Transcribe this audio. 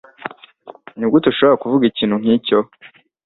Nigute ushobora kuvuga ikintu nkicyo?